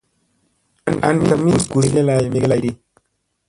An ka min gus mege lay megeblayɗi.